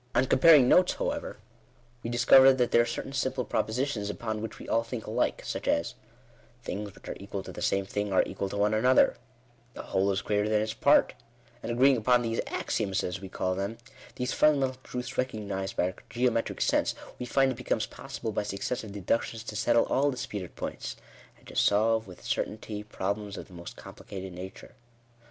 On comparing notes, however, we discover that there are certain simple propositions upon which we all think alike, such as " Things which are equal to the same thing are equal to one another;" "The whole is greater than its part;" and agreeing upon these axioms as we call them — these funda mental truths recognised by our geometric sense, we find it becomes possible by successive deductions to settle all disputed points, and to solve with certainty, problems of the most com plicated nature*.